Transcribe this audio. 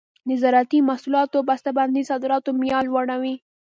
د زراعتي محصولاتو بسته بندي د صادراتو معیار لوړوي.